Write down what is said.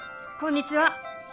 こんにちは！